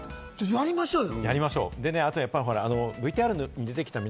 やりましょうよ。